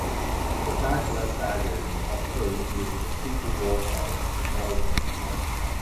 The Bagler Sagas occur during the Civil war era in Norway.